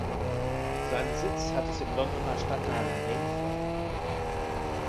Seinen Sitz hat es im Londoner Stadtteil Mayfair.